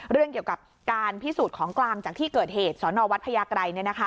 เรื่องเกี่ยวกับการพิสูจน์ของกลางจากที่เกิดเหตุสนวัดพญาไกร